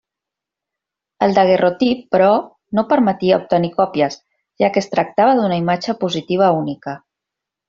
El daguerreotip, però, no permetia obtenir còpies, ja que es tractava d’una imatge positiva única.